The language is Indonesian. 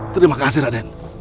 terima kasih raden